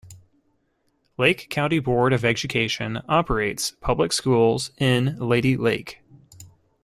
Lake County Board of Education operates public schools in Lady Lake.